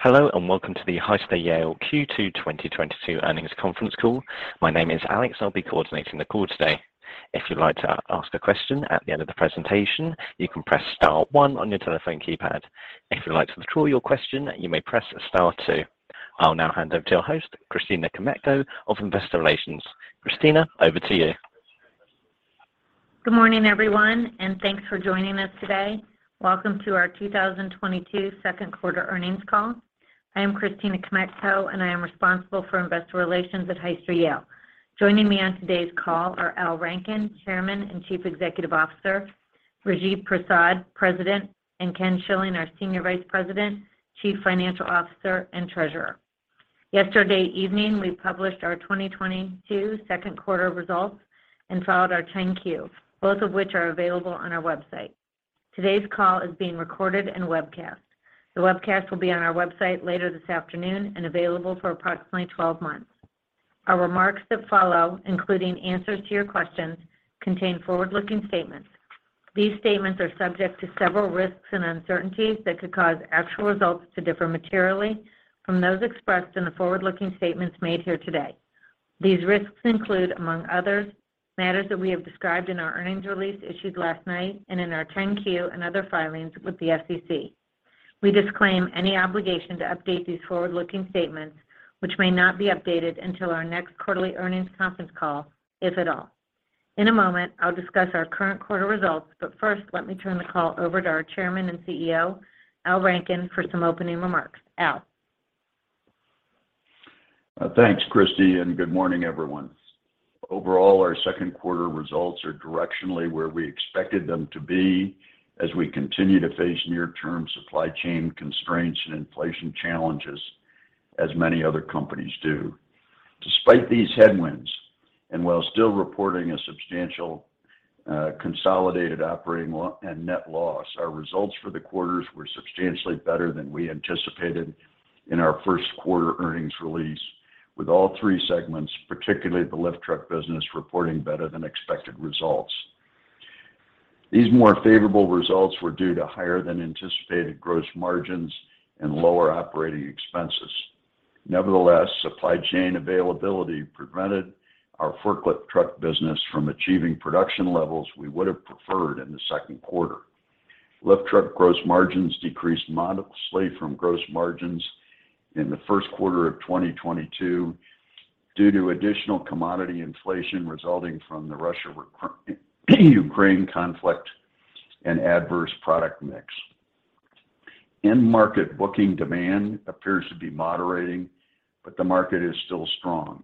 Hello, and welcome to the Hyster-Yale Q2 2022 Earnings Conference Call. My name is Alex, I'll be coordinating the call today. If you'd like to ask a question at the end of the presentation, you can press star one on your telephone keypad. If you'd like to withdraw your question, you may press star two. I'll now hand over to your host, Christina Kmetko of Investor Relations. Christina, over to you. Good morning, everyone, and thanks for joining us today. Welcome to our 2022 Q2 Earnings Call. I am Christina Konecki, and I am responsible for investor relations at Hyster-Yale. Joining me on today's call are Al Rankin, Chairman and Chief Executive Officer, Rajiv Prasad, President, and Ken Schilling, our Senior Vice President, Chief Financial Officer, and Treasurer. Yesterday evening, we published our 2022 Q2 results and filed our 10-Q, both of which are available on our website. Today's call is being recorded and webcast. The webcast will be on our website later this afternoon and available for approximately 12 months. Our remarks that follow, including answers to your questions, contain forward-looking statements. These statements are subject to several risks and uncertainties that could cause actual results to differ materially from those expressed in the forward-looking statements made here today. These risks include, among others, matters that we have described in our earnings release issued last night and in our 10-Q and other filings with the SEC. We disclaim any obligation to update these forward-looking statements, which may not be updated until our next quarterly earnings conference call, if at all. In a moment, I'll discuss our current quarter results, but first, let me turn the call over to our Chairman and CEO, Al Rankin, for some opening remarks. Al. Thanks, Christi, and good morning, everyone. Overall, our Q2 results are directionally where we expected them to be as we continue to face near-term supply chain constraints and inflation challenges as many other companies do. Despite these headwinds, and while still reporting a substantial, consolidated operating and net loss, our results for the quarters were substantially better than we anticipated in our Q1 earnings release with all three segments, particularly the lift truck business, reporting better than expected results. These more favorable results were due to higher than anticipated gross margins and lower operating expenses. Nevertheless, supply chain availability prevented our forklift truck business from achieving production levels we would have preferred in the Q2. Lift truck gross margins decreased modestly from gross margins in the Q1 of 2022 due to additional commodity inflation resulting from the Russia-Ukraine conflict and adverse product mix. End market booking demand appears to be moderating, but the market is still strong,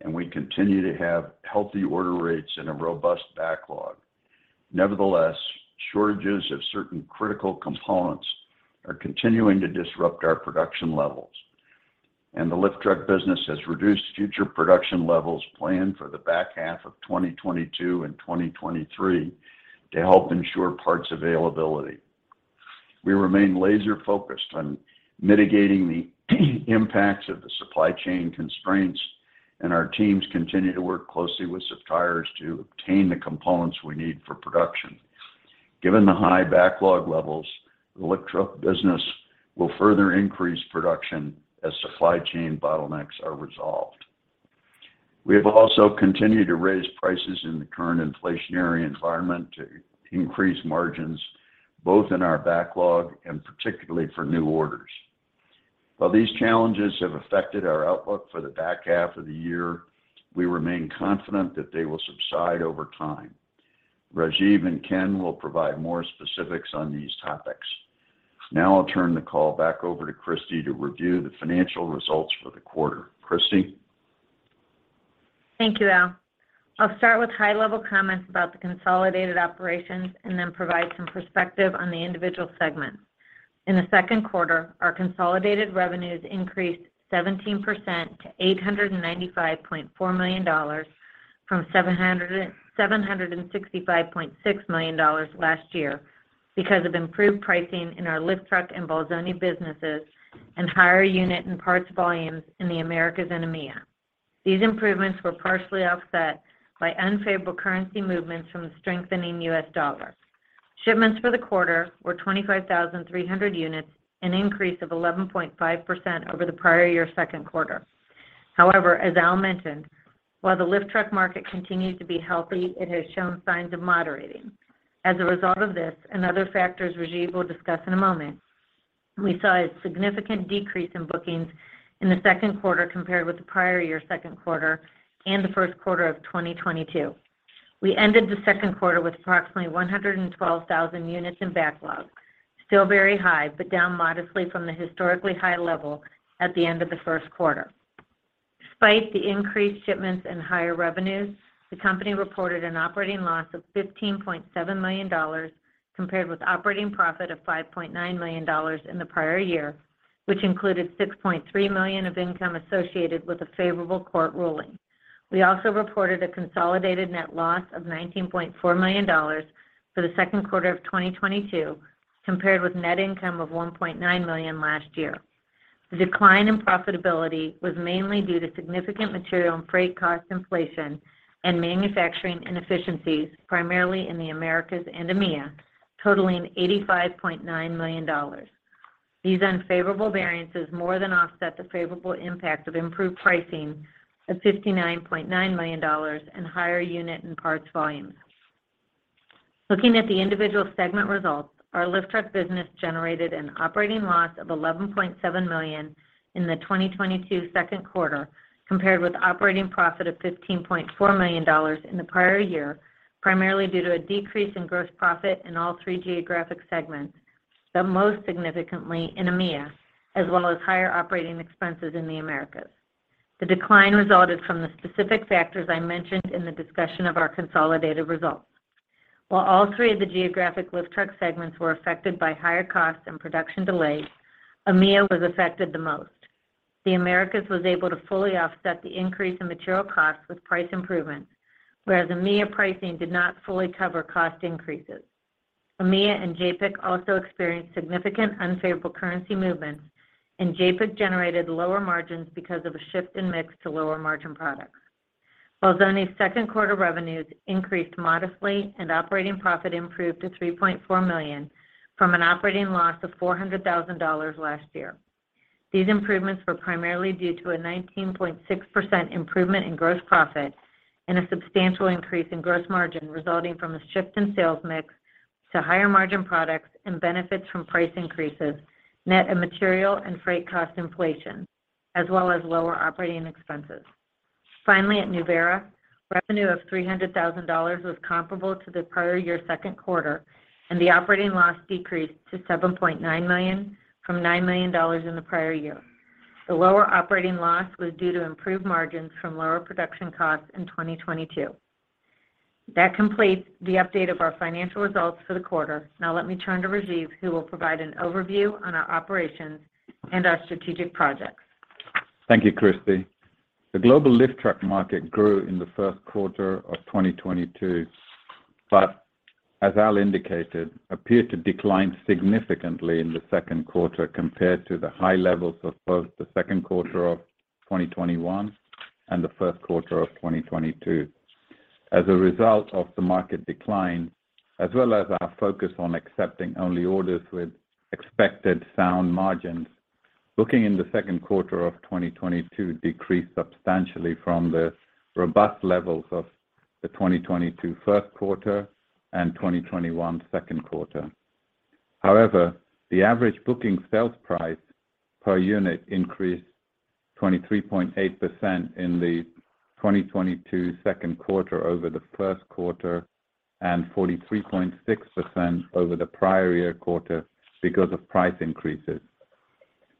and we continue to have healthy order rates and a robust backlog. Nevertheless, shortages of certain critical components are continuing to disrupt our production levels, and the lift truck business has reduced future production levels planned for the back half of 2022 and 2023 to help ensure parts availability. We remain laser-focused on mitigating the impacts of the supply chain constraints, and our teams continue to work closely with suppliers to obtain the components we need for production. Given the high backlog levels, the lift truck business will further increase production as supply chain bottlenecks are resolved. We have also continued to raise prices in the current inflationary environment to increase margins, both in our backlog and particularly for new orders. While these challenges have affected our outlook for the back half of the year, we remain confident that they will subside over time. Rajiv and Ken will provide more specifics on these topics. Now I'll turn the call back over to Christy to review the financial results for the quarter. Christy? Thank you, Al. I'll start with high-level comments about the consolidated operations and then provide some perspective on the individual segments. In the Q2, our consolidated revenues increased 17% to $895.4 from 765.6 million last year because of improved pricing in our lift truck and Bolzoni businesses and higher unit and parts volumes in the Americas and EMEA. These improvements were partially offset by unfavorable currency movements from the strengthening US dollar. Shipments for the quarter were 25,300 units, an increase of 11.5% over the prior year Q2. However, as Al mentioned, while the lift truck market continues to be healthy, it has shown signs of moderating. As a result of this and other factors Rajiv will discuss in a moment, we saw a significant decrease in bookings in the Q2 compared with the prior year Q2 and the Q1 of 2022. We ended the Q2 with approximately 112,000 units in backlog. Still very high, but down modestly from the historically high level at the end of the Q1. Despite the increased shipments and higher revenues, the company reported an operating loss of $15.7 million, compared with operating profit of $5.9 million in the prior year, which included $6.3 million of income associated with a favorable court ruling. We also reported a consolidated net loss of $19.4 million for the Q2 of 2022, compared with net income of $1.9 million last year. The decline in profitability was mainly due to significant material and freight cost inflation and manufacturing inefficiencies, primarily in the Americas and EMEA. Totaling $85.9 million. These unfavorable variances more than offset the favorable impact of improved pricing of $59.9 million in higher unit and parts volumes. Looking at the individual segment results, our lift truck business generated an operating loss of $11.7 million in the 2022 Q2, compared with operating profit of $15.4 million in the prior year, primarily due to a decrease in gross profit in all three geographic segments, but most significantly in EMEA, as well as higher operating expenses in the Americas. The decline resulted from the specific factors I mentioned in the discussion of our consolidated results. While all three of the geographic lift truck segments were affected by higher costs and production delays, EMEA was affected the most. The Americas was able to fully offset the increase in material costs with price improvements, whereas EMEA pricing did not fully cover cost increases. EMEA and JAPIC also experienced significant unfavorable currency movements, and JAPIC generated lower margins because of a shift in mix to lower margin products. Bolzoni's Q2 revenues increased modestly and operating profit improved to $3.4 million from an operating loss of $400,000 last year. These improvements were primarily due to a 19.6% improvement in gross profit and a substantial increase in gross margin resulting from a shift in sales mix to higher margin products and benefits from price increases, net of material and freight cost inflation, as well as lower operating expenses. Finally, at Nuvera, revenue of $300,000 was comparable to the prior year Q2, and the operating loss decreased to $7.9 from 9 million in the prior year. The lower operating loss was due to improved margins from lower production costs in 2022. That completes the update of our financial results for the quarter. Now let me turn to Rajiv, who will provide an overview on our operations and our strategic projects. Thank you, Kristi. The global lift truck market grew in the Q1 of 2022, but as Al indicated, appeared to decline significantly in the Q2 compared to the high levels of both the Q2 of 2021 and the Q1 of 2022. As a result of the market decline, as well as our focus on accepting only orders with expected sound margins, booking in the Q2 of 2022 decreased substantially from the robust levels of the 2022 Q1 and 2021 Q2. However, the average booking sales price per unit increased 23.8% in the 2022 Q2 over the Q1 and 43.6% over the prior year quarter because of price increases,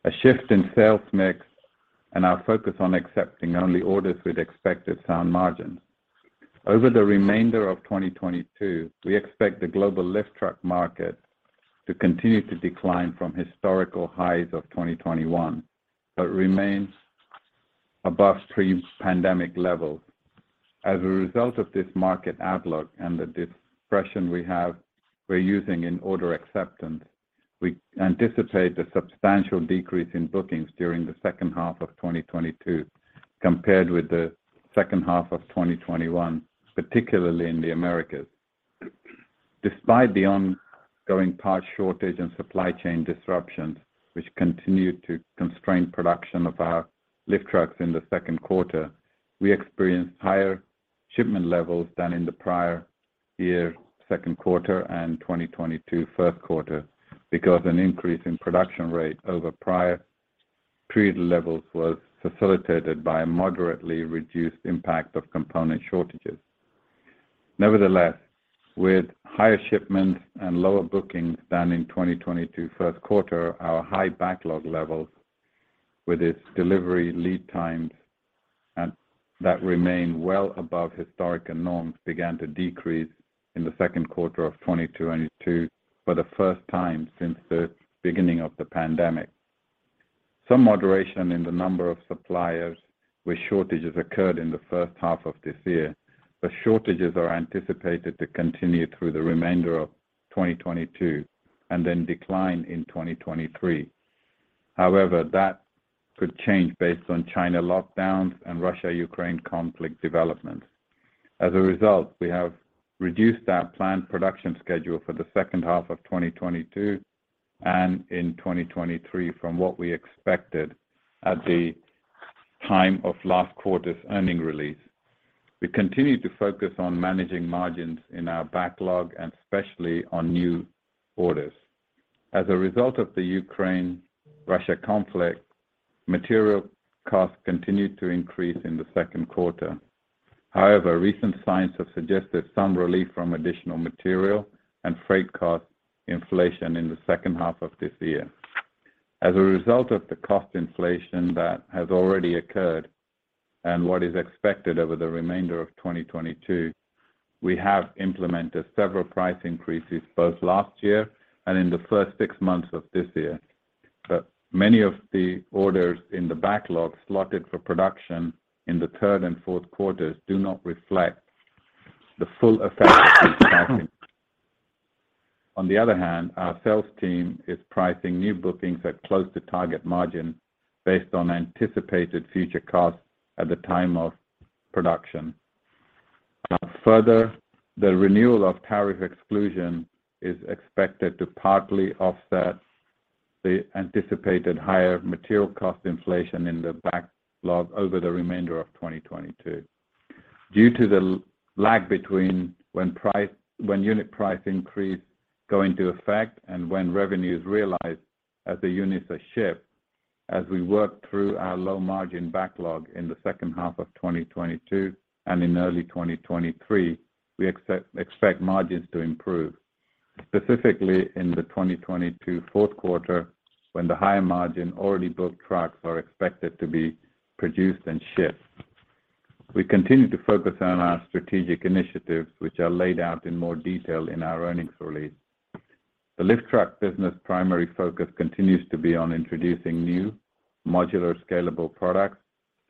a shift in sales mix, and our focus on accepting only orders with expected sound margins. Over the remainder of 2022, we expect the global lift truck market to continue to decline from historical highs of 2021, but remains above pre-pandemic levels. As a result of this market outlook and the discretion we have, we're using in order acceptance, we anticipate a substantial decrease in bookings during the H2 of 2022 compared with the H2 of 2021, particularly in the Americas. Despite the ongoing parts shortage and supply chain disruptions, which continued to constrain production of our lift trucks in the Q2, we experienced higher shipment levels than in the prior year Q2 and 2022 Q1 because an increase in production rate over prior period levels was facilitated by a moderately reduced impact of component shortages. Nevertheless, with higher shipments and lower bookings than in 2022 Q1, our high backlog levels with its delivery lead times and that remain well above historical norms began to decrease in the Q2 of 2022 for the first time since the beginning of the pandemic. Some moderation in the number of suppliers where shortages occurred in the H1 of this year, but shortages are anticipated to continue through the remainder of 2022 and then decline in 2023. However, that could change based on China lockdowns and Russia-Ukraine conflict developments. As a result, we have reduced our planned production schedule for the H2 of 2022 and in 2023 from what we expected at the time of last quarter's earnings release. We continue to focus on managing margins in our backlog and especially on new orders. As a result of the Ukraine-Russia conflict, material costs continued to increase in the Q2. However, recent signs have suggested some relief from additional material and freight cost inflation in the H2 of this year. As a result of the cost inflation that has already occurred and what is expected over the remainder of 2022, we have implemented several price increases both last year and in the first six months of this year. Many of the orders in the backlog slotted for production in the Q3 and Q4 do not reflect the full effect of this pricing. On the other hand, our sales team is pricing new bookings at close to target margin based on anticipated future costs at the time of production. Now further, the renewal of tariff exclusion is expected to partly offset the anticipated higher material cost inflation in the backlog over the remainder of 2022. Due to the lag between when unit price increase go into effect and when revenue is realized as the units are shipped, as we work through our low margin backlog in the H2 of 2022 and in early 2023, we expect margins to improve, specifically in the 2022 Q4 when the higher margin already booked trucks are expected to be produced and shipped. We continue to focus on our strategic initiatives which are laid out in more detail in our earnings release. The lift truck business primary focus continues to be on introducing new modular scalable products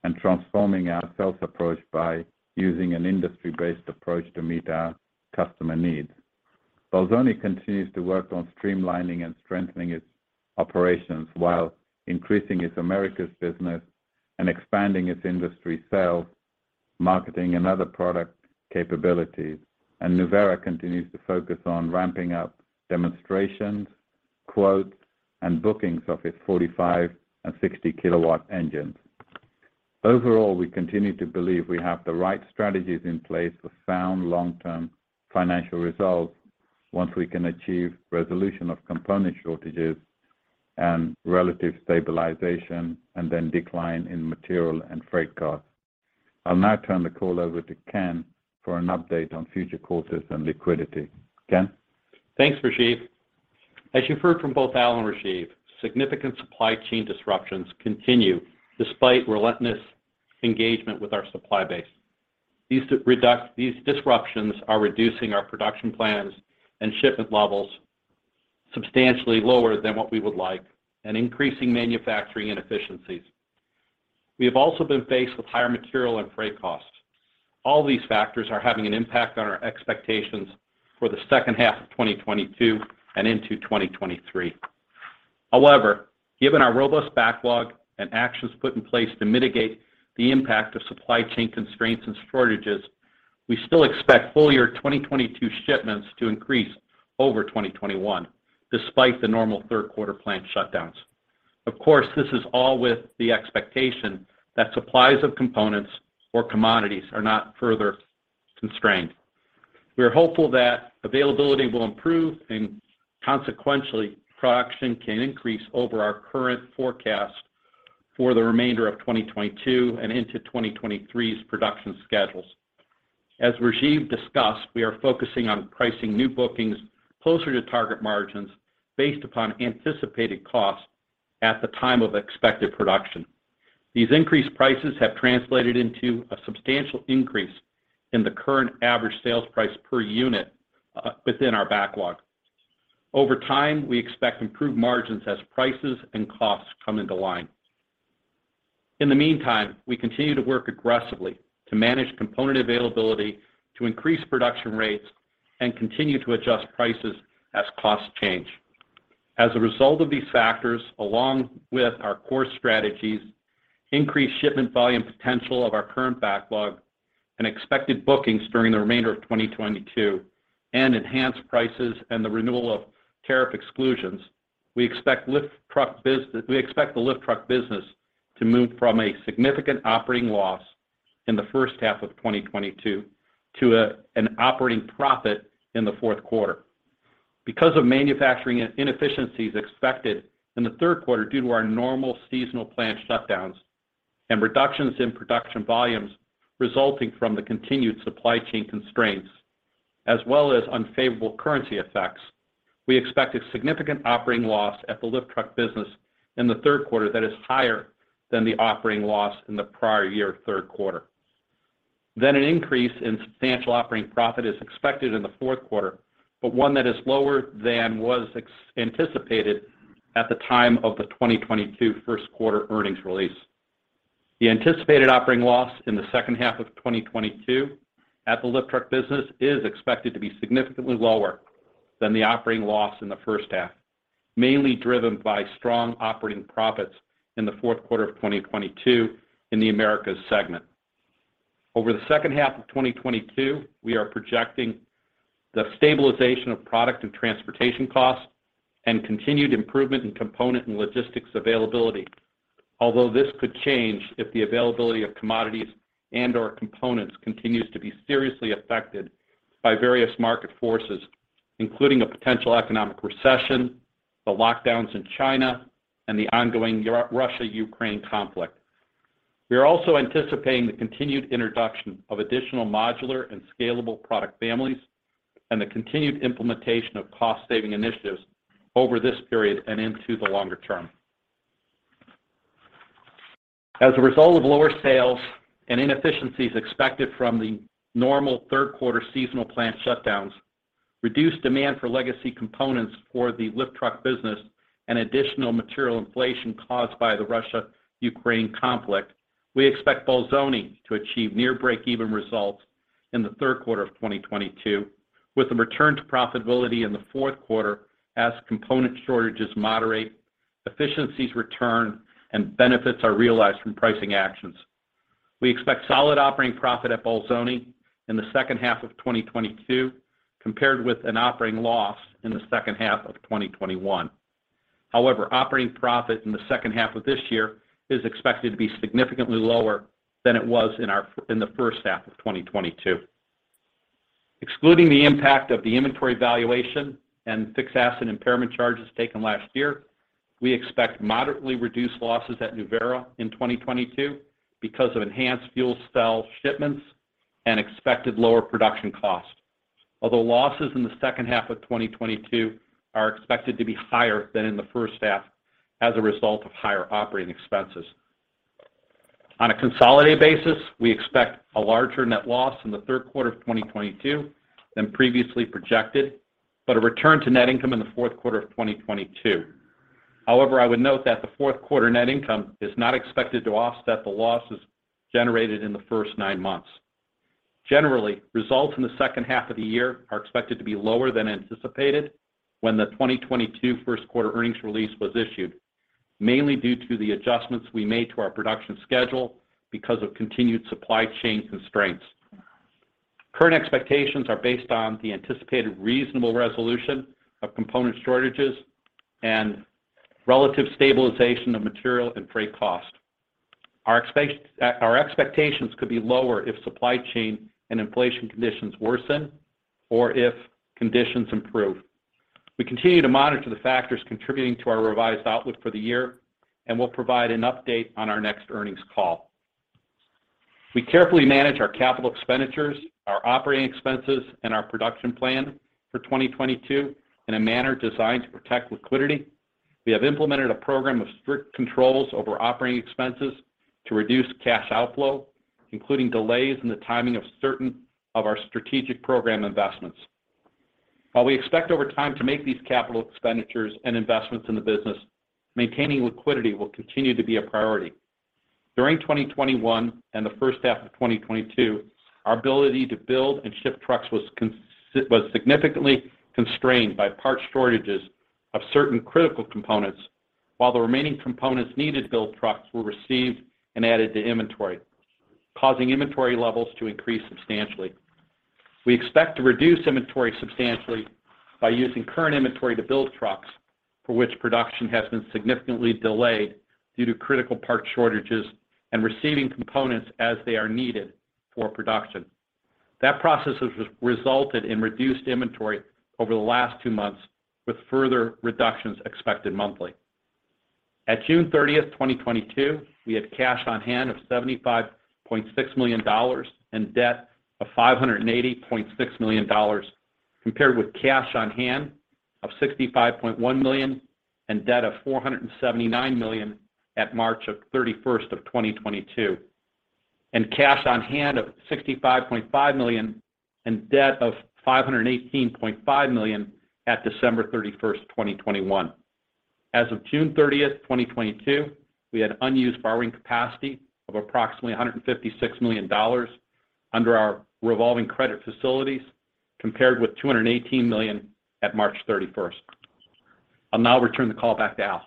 and transforming our sales approach by using an industry-based approach to meet our customer needs. Bolzoni continues to work on streamlining and strengthening its operations while increasing its Americas business and expanding its industry sales, marketing and other product capabilities. Nuvera continues to focus on ramping up demonstrations, quotes, and bookings of its 45 kW and 60 kW engines. Overall, we continue to believe we have the right strategies in place for sound long-term financial results once we can achieve resolution of component shortages and relative stabilization, and then decline in material and freight costs. I'll now turn the call over to Ken for an update on future costs and liquidity. Ken? Thanks, Rajiv. As you've heard from both Alan and Rajiv, significant supply chain disruptions continue despite relentless engagement with our supply base. These disruptions are reducing our production plans and shipment levels substantially lower than what we would like and increasing manufacturing inefficiencies. We have also been faced with higher material and freight costs. All these factors are having an impact on our expectations for the H2 of 2022 and into 2023. However, given our robust backlog and actions put in place to mitigate the impact of supply chain constraints and shortages, we still expect full year 2022 shipments to increase over 2021 despite the normal Q3 plant shutdowns. Of course, this is all with the expectation that supplies of components or commodities are not further constrained. We are hopeful that availability will improve and consequently, production can increase over our current forecast for the remainder of 2022 and into 2023's production schedules. As Rajiv discussed, we are focusing on pricing new bookings closer to target margins based upon anticipated costs at the time of expected production. These increased prices have translated into a substantial increase in the current average sales price per unit within our backlog. Over time, we expect improved margins as prices and costs come into line. In the meantime, we continue to work aggressively to manage component availability to increase production rates and continue to adjust prices as costs change. As a result of these factors, along with our core strategies, increased shipment volume potential of our current backlog and expected bookings during the remainder of 2022, and enhanced prices and the renewal of tariff exclusions, we expect the lift truck business to move from a significant operating loss in the H1 of 2022 to an operating profit in the Q4. Because of manufacturing inefficiencies expected in the Q3 due to our normal seasonal plant shutdowns and reductions in production volumes resulting from the continued supply chain constraints as well as unfavorable currency effects, we expect a significant operating loss at the lift truck business in the Q3 that is higher than the operating loss in the prior year Q3. An increase in substantial operating profit is expected in the Q4, but one that is lower than was anticipated at the time of the 2022 Q1 earnings release. The anticipated operating loss in the H2 of 2022 at the lift truck business is expected to be significantly lower than the operating loss in the H1, mainly driven by strong operating profits in the Q4 of 2022 in the Americas segment. Over the H2 of 2022, we are projecting the stabilization of product and transportation costs and continued improvement in component and logistics availability. Although this could change if the availability of commodities and/or components continues to be seriously affected by various market forces, including a potential economic recession, the lockdowns in China, and the ongoing Russia, Ukraine conflict. We are also anticipating the continued introduction of additional modular and scalable product families and the continued implementation of cost saving initiatives over this period and into the longer term. As a result of lower sales and inefficiencies expected from the normal Q3 seasonal plant shutdowns, reduced demand for legacy components for the lift truck business and additional material inflation caused by the Russia-Ukraine conflict, we expect Bolzoni to achieve near break-even results in the Q3 of 2022, with a return to profitability in the Q4 as component shortages moderate, efficiencies return and benefits are realized from pricing actions. We expect solid operating profit at Bolzoni in the H2 of 2022 compared with an operating loss in the H2 of 2021. However, operating profit in the H2 of this year is expected to be significantly lower than it was in the H1 of 2022. Excluding the impact of the inventory valuation and fixed asset impairment charges taken last year, we expect moderately reduced losses at Nuvera in 2022 because of enhanced fuel cell shipments and expected lower production costs. Although losses in the H2 of 2022 are expected to be higher than in the H1 as a result of higher operating expenses. On a consolidated basis, we expect a larger net loss in the Q3 of 2022 than previously projected, but a return to net income in the Q4 of 2022. However, I would note that the Q4 net income is not expected to offset the losses generated in the first nine months. Generally, results in the H2 of the year are expected to be lower than anticipated when the 2022 Q1 earnings release was issued, mainly due to the adjustments we made to our production schedule because of continued supply chain constraints. Current expectations are based on the anticipated reasonable resolution of component shortages and relative stabilization of material and freight costs. Our expectations could be lower if supply chain and inflation conditions worsen, or if conditions improve. We continue to monitor the factors contributing to our revised outlook for the year, and we'll provide an update on our next earnings call. We carefully manage our capital expenditures, our operating expenses, and our production plan for 2022 in a manner designed to protect liquidity. We have implemented a program of strict controls over operating expenses to reduce cash outflow, including delays in the timing of certain of our strategic program investments. While we expect over time to make these capital expenditures and investments in the business, maintaining liquidity will continue to be a priority. During 2021 and the H1 of 2022, our ability to build and ship trucks was significantly constrained by parts shortages of certain critical components, while the remaining components needed to build trucks were received and added to inventory, causing inventory levels to increase substantially. We expect to reduce inventory substantially by using current inventory to build trucks for which production has been significantly delayed due to critical parts shortages and receiving components as they are needed for production. That process has resulted in reduced inventory over the last two months, with further reductions expected monthly. At 30 June 2022, we had cash on hand of $75.6 million and debt of $580.6 million, compared with cash on hand of $65.1 million and debt of $479 million at 31 March 2022, and cash on hand of $65.5 million and debt of $518.5 million at 31 December 2021. As of 30 June 2022, we had unused borrowing capacity of approximately $156 million under our revolving credit facilities, compared with $218 million at 31 March. I'll now return the call back to Al.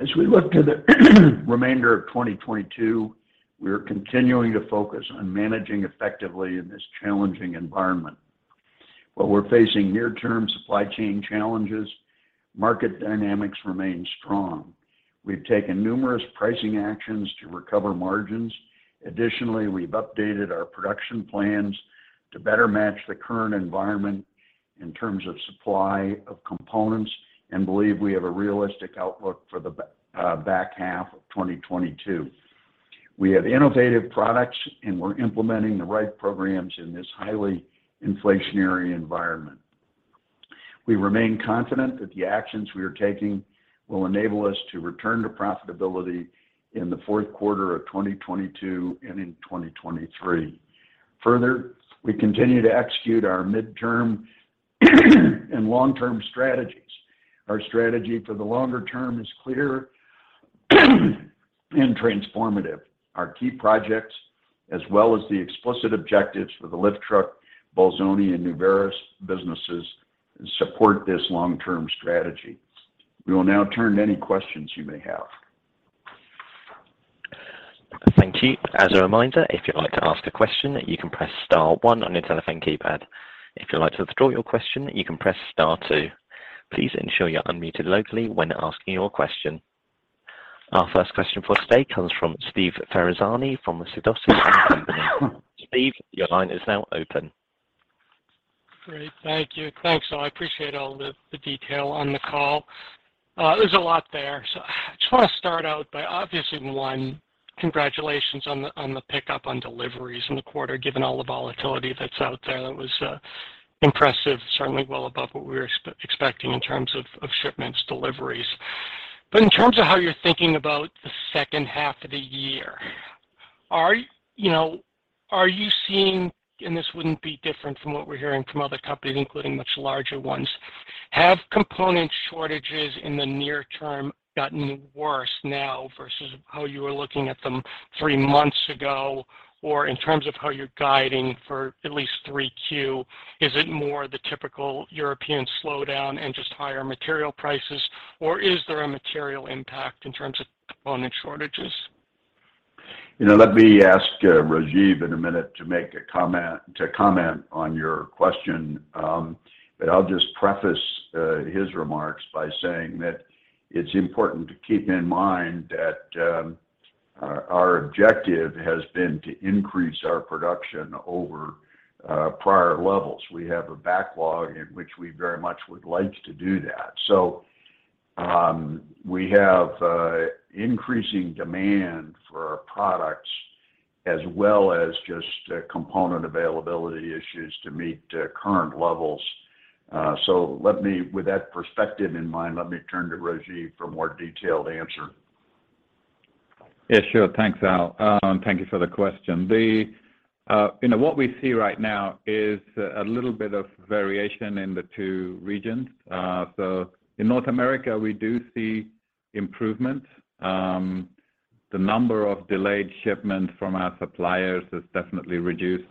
As we look to the remainder of 2022, we are continuing to focus on managing effectively in this challenging environment. While we're facing near-term supply chain challenges, market dynamics remain strong. We've taken numerous pricing actions to recover margins. Additionally, we've updated our production plans to better match the current environment in terms of supply of components and believe we have a realistic outlook for the back half of 2022. We have innovative products, and we're implementing the right programs in this highly inflationary environment. We remain confident that the actions we are taking will enable us to return to profitability in the Q4 of 2022 and in 2023. Further, we continue to execute our midterm and long-term strategies. Our strategy for the longer term is clear and transformative. Our key projects, as well as the explicit objectives for the lift truck, Bolzoni, and Nuvera businesses, support this long-term strategy. We will now turn to any questions you may have. Thank you. As a reminder, if you'd like to ask a question, you can press star one on your telephone keypad. If you'd like to withdraw your question, you can press star two. Please ensure you're unmuted locally when asking your question. Our first question for today comes from Steve Ferazani from Sidoti & Company. Steve, your line is now open. Great. Thank you. Thanks, all. I appreciate all the detail on the call. There's a lot there. I just want to start out by obviously, one, congratulations on the pickup on deliveries in the quarter, given all the volatility that's out there. That was impressive, certainly well above what we were expecting in terms of shipments, deliveries. In terms of how you're thinking about the H2 of the year, you know, are you seeing, and this wouldn't be different from what we're hearing from other companies, including much larger ones, have component shortages in the near term gotten worse now versus how you were looking at them three months ago? In terms of how you're guiding for at least Q3, is it more the typical European slowdown and just higher material prices, or is there a material impact in terms of component shortages? You know, let me ask Rajiv in a minute to comment on your question. I'll just preface his remarks by saying that it's important to keep in mind that our objective has been to increase our production over prior levels. We have a backlog in which we very much would like to do that. We have increasing demand for our products as well as just component availability issues to meet current levels. With that perspective in mind, let me turn to Rajiv for a more detailed answer. Yeah, sure. Thanks, Al. Thank you for the question. What we see right now is a little bit of variation in the two regions. In North America, we do see improvement. The number of delayed shipments from our suppliers has definitely reduced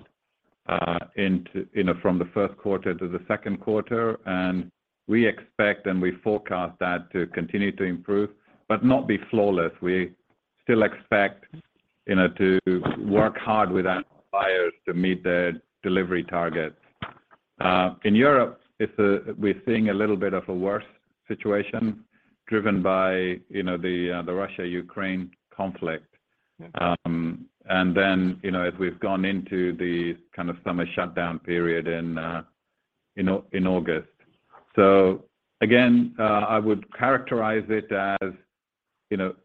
from the Q1 to the Q2. We expect and we forecast that to continue to improve but not be flawless. We still expect to work hard with our suppliers to meet the delivery targets. In Europe, we're seeing a little bit of a worse situation driven by the Russia-Ukraine conflict. As we've gone into the kind of summer shutdown period in August. Again, I would characterize it as, you know,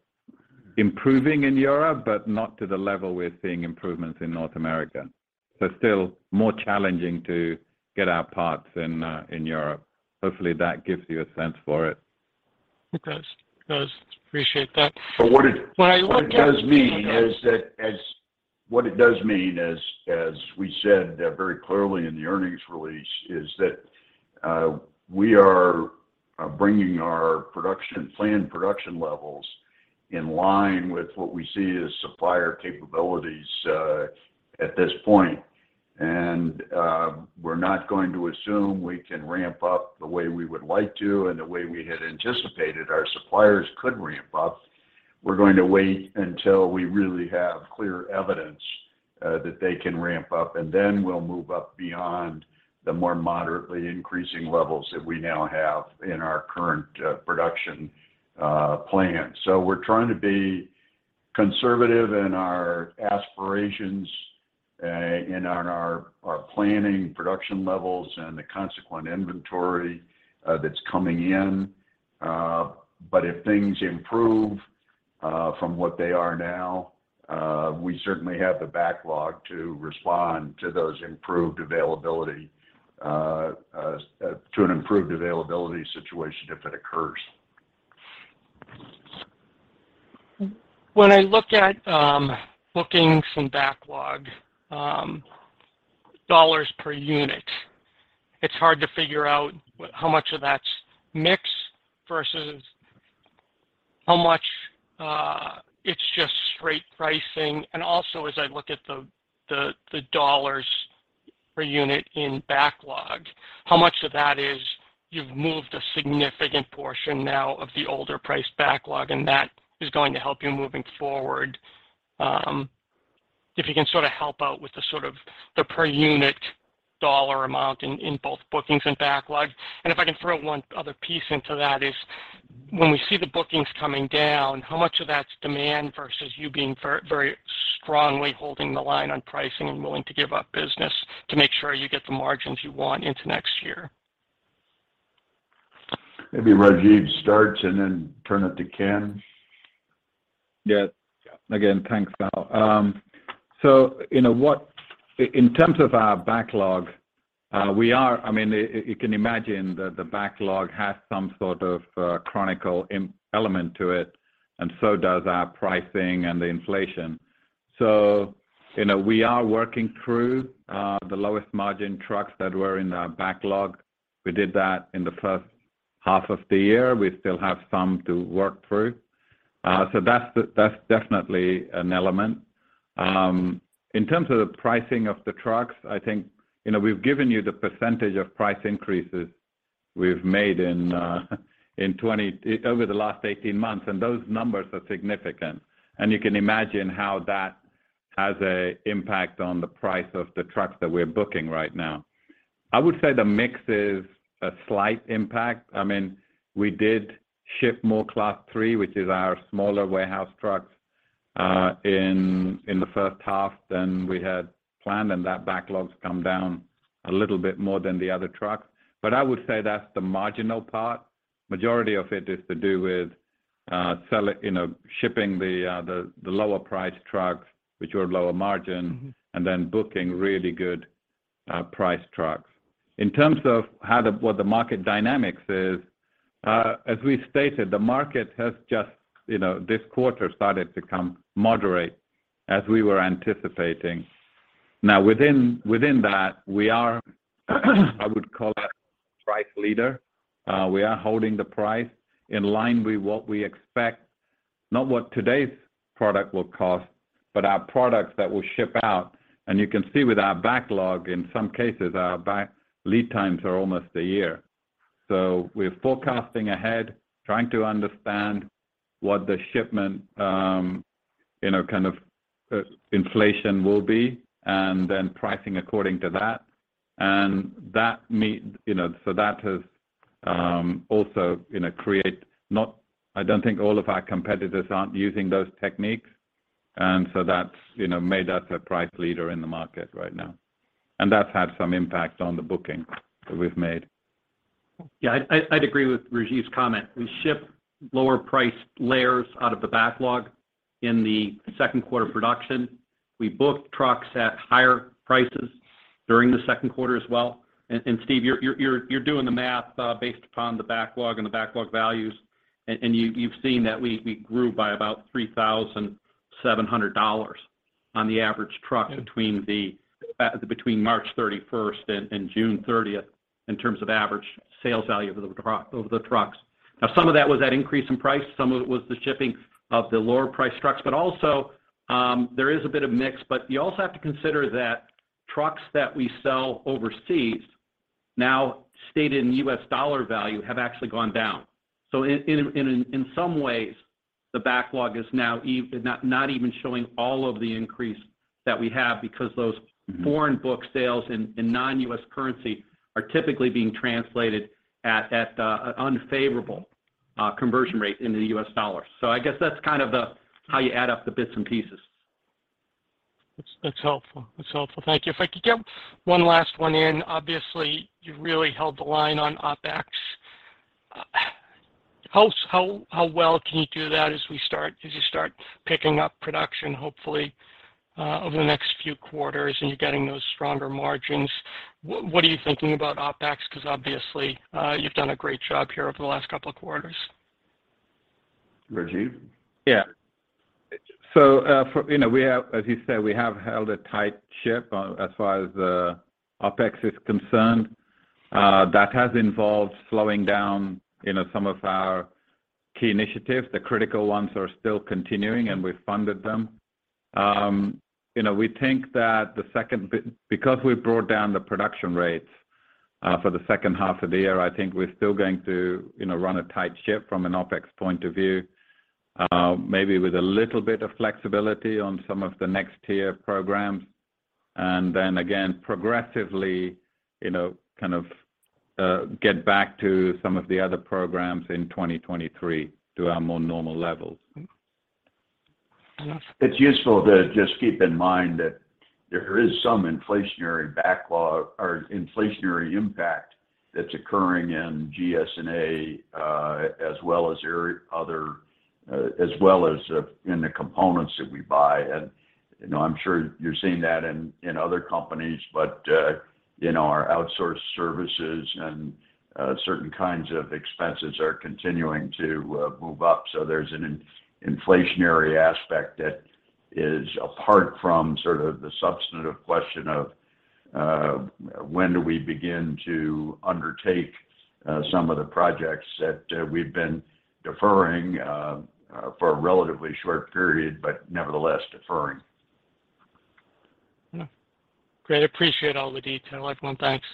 improving in Europe, but not to the level we're seeing improvements in North America. Still more challenging to get our parts in Europe. Hopefully, that gives you a sense for it. It does. Appreciate that. But what it- I wonder. What it does mean is that, as we said, very clearly in the earnings release, is that we are bringing our planned production levels in line with what we see as supplier capabilities at this point. We're not going to assume we can ramp up the way we would like to and the way we had anticipated our suppliers could ramp up. We're going to wait until we really have clear evidence that they can ramp up, and then we'll move up beyond the more moderately increasing levels that we now have in our current production plan. We're trying to be conservative in our aspirations in on our planning production levels and the consequent inventory that's coming in. If things improve from what they are now, we certainly have the backlog to respond to an improved availability situation if it occurs. When I look at bookings and backlog, dollars per unit, it's hard to figure out how much of that's mix versus how much it's just straight pricing. Also, as I look at the dollars per unit in backlog, how much of that is you've moved a significant portion now of the older priced backlog, and that is going to help you moving forward? If you can sort of help out with the sort of the per unit dollar amount in both bookings and backlog. If I can throw one other piece into that is when we see the bookings coming down, how much of that's demand versus you being very, very strongly holding the line on pricing and willing to give up business to make sure you get the margins you want into next year? Maybe Rajiv starts and then turn it to Ken. Yeah. Again, thanks, Al. You know what? In terms of our backlog, we can imagine that the backlog has some sort of chronological element to it, and so does our pricing and the inflation. You know, we are working through the lowest margin trucks that were in our backlog. We did that in the H1 of the year. We still have some to work through. That's definitely an element. In terms of the pricing of the trucks, I think, you know, we've given you the percentage of price increases we've made over the last 18 months, and those numbers are significant. You can imagine how that has an impact on the price of the trucks that we're booking right now. I would say the mix is a slight impact. I mean, we did ship more Class III, which is our smaller warehouse trucks, in the H1 than we had planned, and that backlog's come down a little bit more than the other trucks. I would say that's the marginal part. Majority of it is to do with selling, you know, shipping the lower priced trucks, which are lower margin and then booking really good priced trucks. In terms of what the market dynamics is, as we stated, the market has just, you know, this quarter started to come moderate as we were anticipating. Now, within that, we are, I would call it price leader. We are holding the price in line with what we expect, not what today's product will cost, but our products that will ship out. You can see with our backlog, in some cases, our backlog lead times are almost a year. We're forecasting ahead, trying to understand what the shipment, you know, kind of, inflation will be, and then pricing according to that. You know, so that has, also, you know, create... I don't think all of our competitors aren't using those techniques, and so that's, you know, made us a price leader in the market right now, and that's had some impact on the booking that we've made. Yeah. I'd agree with Rajiv's comment. We ship lower priced layers out of the backlog in the Q2 production. We book trucks at higher prices during the Q2 as well. Steve, you're doing the math based upon the backlog and the backlog values and you've seen that we grew by about $3,700 on the average truck. Yeah Between 31 March and 30 June in terms of average sales value of the trucks. Now some of that was that increase in price, some of it was the shipping of the lower priced trucks. Also, there is a bit of mix, but you also have to consider that trucks that we sell overseas now stated in US dollar value have actually gone down. In some ways the backlog is now not even showing all of the increase that we have because those. Foreign book sales in non-US currency are typically being translated at unfavorable conversion rate into the US dollar. I guess that's kind of how you add up the bits and pieces. That's helpful. Thank you. If I could get one last one in. Obviously you've really held the line on OpEx. How well can you do that as you start picking up production hopefully over the next few quarters and you're getting those stronger margins? What are you thinking about OpEx? 'Cause obviously, you've done a great job here over the last couple of quarters. Rajiv? Yeah. For you know, we have, as you said, held a tight ship as far as the OpEx is concerned. That has involved slowing down, you know, some of our key initiatives. The critical ones are still continuing and we funded them. We think that because we brought down the production rates for the H2 of the year, I think we're still going to, you know, run a tight ship from an OpEx point of view, maybe with a little bit of flexibility on some of the next tier programs. Progressively, you know, kind of get back to some of the other programs in 2023 to our more normal levels. Okay. It's useful to just keep in mind that there is some inflationary backlog or inflationary impact that's occurring in SG&A, as well as in the components that we buy. You know, I'm sure you're seeing that in other companies. You know, our outsourced services and certain kinds of expenses are continuing to move up, so there's an inflationary aspect that is apart from sort of the substantive question of when do we begin to undertake some of the projects that we've been deferring for a relatively short period, but nevertheless deferring. Yeah. Great. Appreciate all the detail. Everyone, thanks.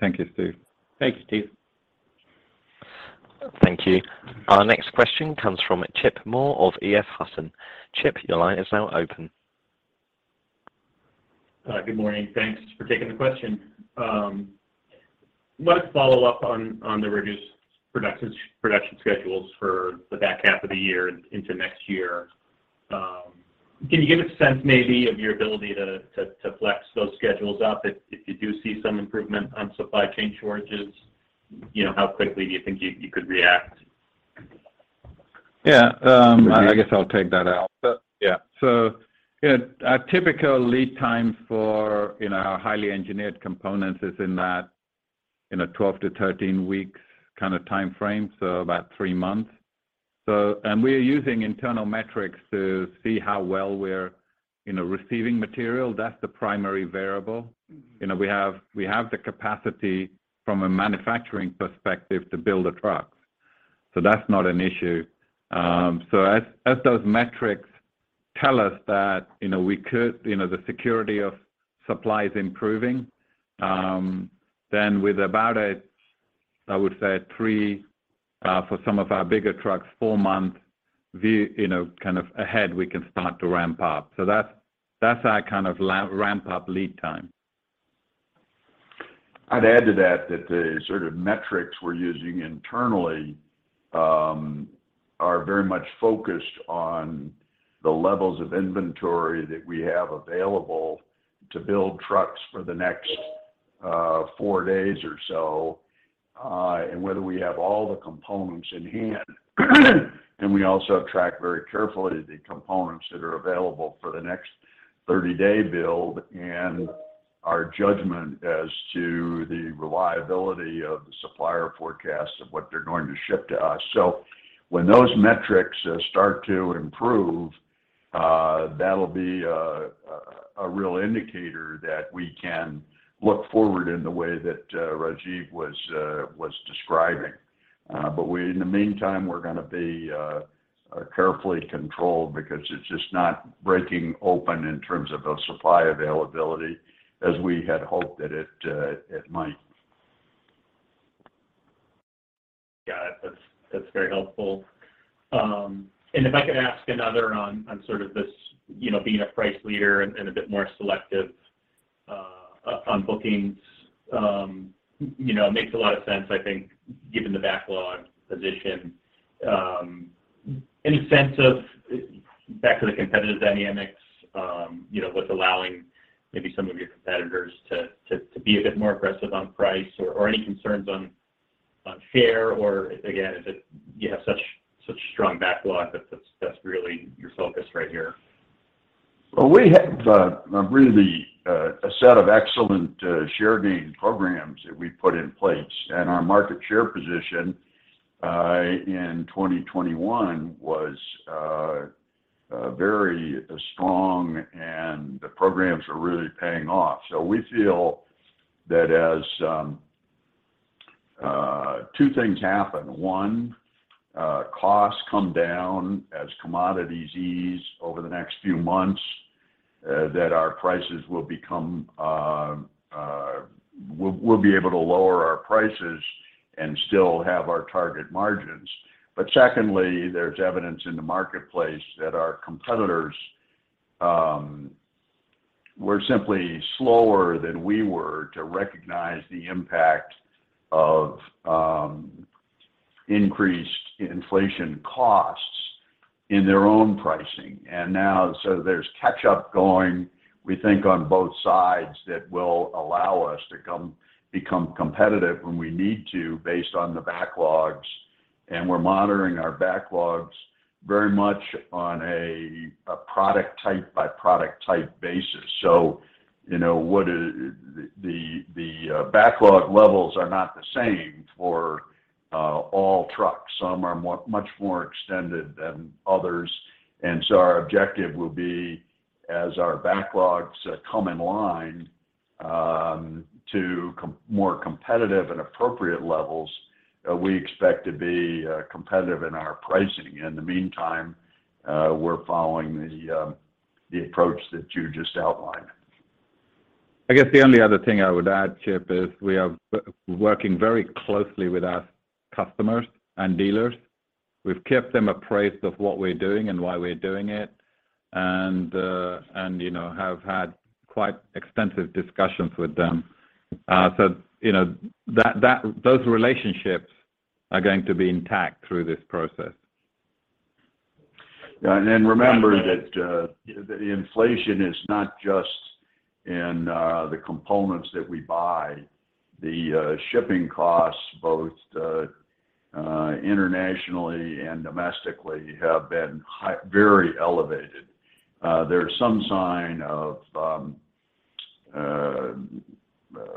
Thank you, Steve. Thank you, Steve. Thank you. Our next question comes from Chip Moore of EF Hutton. Chip, your line is now open. Good morning. Thanks for taking the question. Wanted to follow up on the reduced production schedules for the back half of the year and into next year. Can you give a sense maybe of your ability to flex those schedules up if you do see some improvement on supply chain shortages? You know, how quickly do you think you could react? Yeah. Rajiv? I guess I'll take that, Al. Yeah. You know, a typical lead time for, you know, our highly engineered components is in that, you know, 12-13 weeks kind of timeframe, so about three months. We are using internal metrics to see how well we're, you know, receiving material. That's the primary variable. You know, we have the capacity from a manufacturing perspective to build the trucks, so that's not an issue. So as those metrics tell us that, you know, the security of supply is improving, then with about a, I would say a three, for some of our bigger trucks, four-month view, you know, kind of ahead we can start to ramp up. So that's our kind of ramp up lead time. I'd add to that the sort of metrics we're using internally are very much focused on the levels of inventory that we have available to build trucks for the next four days or so, and whether we have all the components in hand. We also track very carefully the components that are available for the next 30-day build and our judgment as to the reliability of the supplier forecast of what they're going to ship to us. When those metrics start to improve, that'll be a real indicator that we can look forward in the way that Rajiv was describing. We, in the meantime, we're gonna be carefully controlled because it's just not breaking open in terms of the supply availability as we had hoped that it might. Yeah. That's very helpful. And if I could ask another on sort of this, you know, being a price leader and a bit more selective on bookings, you know, it makes a lot of sense, I think, given the backlog position. Any sense of back to the competitive dynamics, you know, what's allowing maybe some of your competitors to be a bit more aggressive on price or any concerns on share? Or again, is it you have such strong backlog that that's really your focus right here? Well, we have really a set of excellent share gain programs that we put in place, and our market share position in 2021 was very strong, and the programs are really paying off. We feel that as two things happen. One, costs come down as commodities ease over the next few months, that our prices will become, we'll be able to lower our prices and still have our target margins. Secondly, there's evidence in the marketplace that our competitors were simply slower than we were to recognize the impact of increased inflation costs in their own pricing. There's catch-up going, we think, on both sides that will allow us to become competitive when we need to based on the backlogs, and we're monitoring our backlogs very much on a product type by product type basis. The backlog levels are not the same for all trucks. Some are much more extended than others, and our objective will be, as our backlogs come in line, to more competitive and appropriate levels, we expect to be competitive in our pricing. In the meantime, we're following the approach that you just outlined. I guess the only other thing I would add, Chip, is we are working very closely with our customers and dealers. We've kept them apprise of what we're doing and why we're doing it and, you know, have had quite extensive discussions with them. You know, that those relationships are going to be intact through this process. Yeah. Remember that the inflation is not just in the components that we buy. The shipping costs, both internationally and domestically, have been high, very elevated. There's some sign of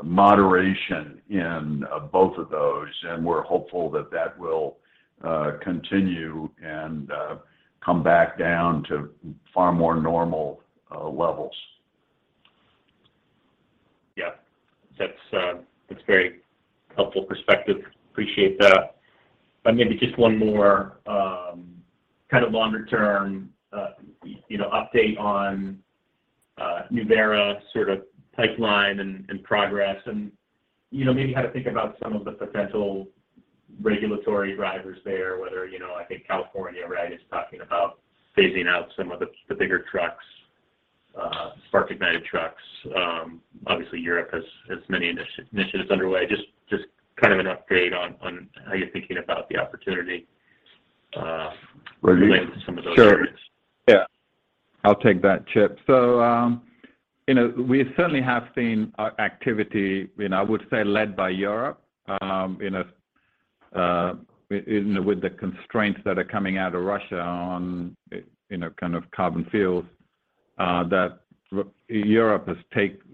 moderation in both of those, and we're hopeful that that will continue and come back down to far more normal levels. Yeah. That's a very helpful perspective. Appreciate that. Maybe just one more kind of longer term you know update on Nuvera sort of pipeline and progress and you know maybe how to think about some of the potential regulatory drivers there whether you know I think California right is talking about phasing out some of the bigger trucks spark ignited trucks. Obviously Europe has many initiatives underway. Just kind of an update on how you're thinking about the opportunity. Ra- Related to some of those areas. Sure. Yeah. I'll take that, Chip. You know, we certainly have seen activity, you know, I would say led by Europe, with the constraints that are coming out of Russia on, you know, kind of carbon fuels, that Europe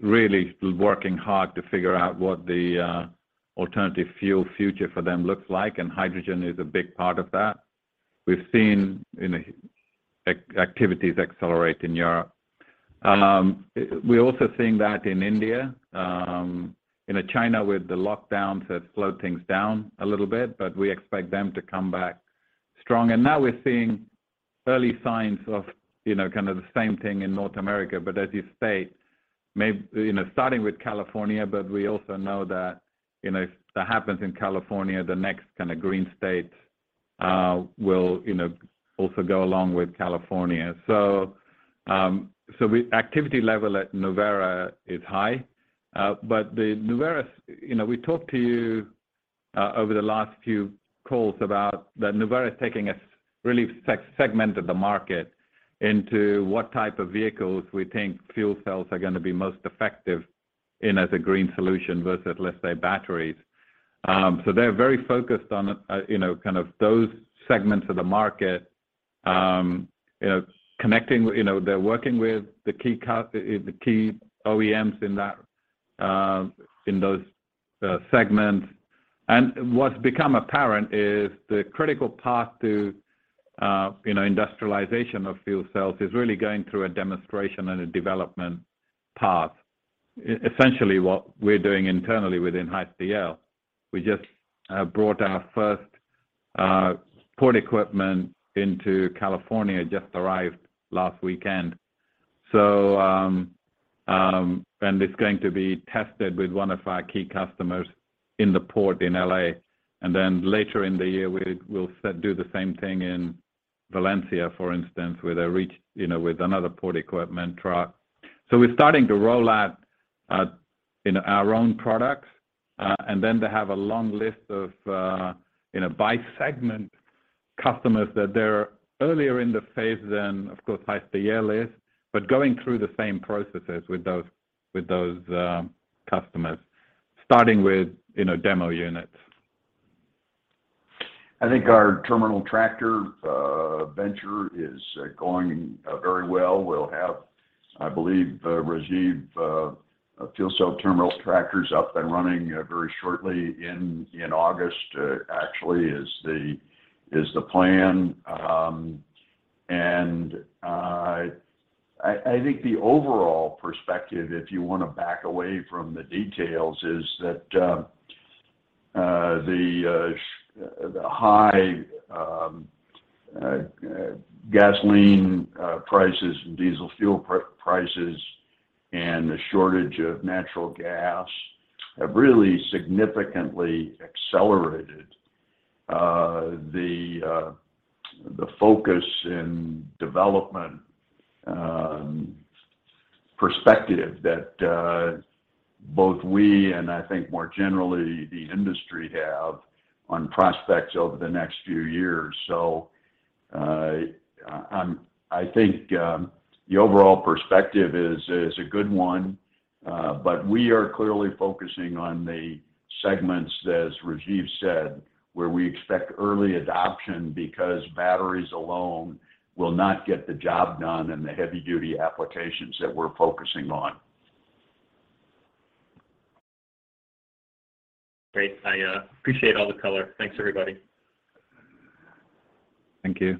really is working hard to figure out what the alternative fuel future for them looks like, and hydrogen is a big part of that. We've seen, you know, activities accelerate in Europe. We're also seeing that in India. You know, China with the lockdowns has slowed things down a little bit, but we expect them to come back strong. Now we're seeing early signs of, you know, kind of the same thing in North America, but as you state, you know, starting with California, but we also know that, you know, if that happens in California, the next kind of green state will, you know, also go along with California. Activity level at Nuvera is high. But the Nuvera's. You know, we talked to you over the last few calls about that Nuvera is taking a really segment of the market into what type of vehicles we think fuel cells are gonna be most effective in as a green solution versus, let's say, batteries. They're very focused on, you know, kind of those segments of the market. You know, they're working with the key OEMs in that, in those, segments. What's become apparent is the critical path to, you know, industrialization of fuel cells is really going through a demonstration and a development path. Essentially what we're doing internally within Hyster-Yale, we just have brought our first port equipment into California, just arrived last weekend. It's going to be tested with one of our key customers in the port in LA. Later in the year we'll set do the same thing in Valencia, for instance, with a reach, you know, with another port equipment truck. We're starting to roll out in our own products, and then they have a long list of, you know, by segment customers that they're earlier in the phase than of course Hyster-Yale is, but going through the same processes with those customers starting with, you know, demo units. I think our terminal tractor venture is going very well. We'll have I believe, Rajiv, fuel cell terminal tractors up and running very shortly in August, actually is the plan. I think the overall perspective, if you wanna back away from the details, is that the high gasoline prices and diesel fuel prices and the shortage of natural gas have really significantly accelerated the focus in development perspective that both we and I think more generally the industry have on prospects over the next few years. I think the overall perspective is a good one. We are clearly focusing on the segments, as Rajiv said, where we expect early adoption because batteries alone will not get the job done in the heavy duty applications that we're focusing on. Great. I appreciate all the color. Thanks everybody. Thank you.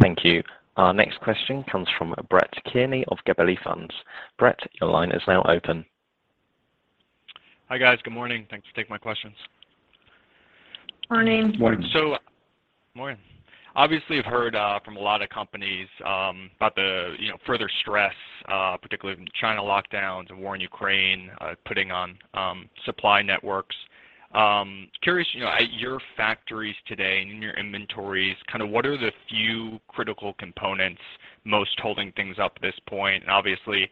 Thank you. Our next question comes from Brett Kearney of Gabelli Funds. Brett, your line is now open. Hi guys. Good morning. Thanks for taking my questions. Morning. Morning. Morning. Obviously you've heard from a lot of companies about the, you know, further stress, particularly from China lockdowns and war in Ukraine, putting on supply networks. Curious, you know, at your factories today and in your inventories, kind of what are the few critical components most holding things up at this point? Obviously